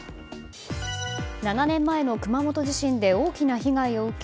７年前の熊本地震で大きな被害を受け